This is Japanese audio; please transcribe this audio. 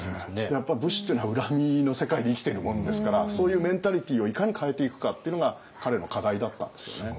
やっぱ武士っていうのは恨みの世界で生きてるもんですからそういうメンタリティーをいかに変えていくかっていうのが彼の課題だったんですよね。